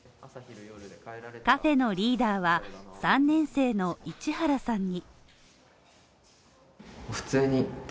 カフェのリーダーは３年生の市原さんに。